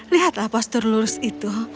lihatlah postur lurus itu